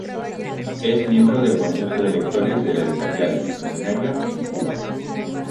Es miembro del Consejo de Lectores de la Editorial Luminaria, en Cuba.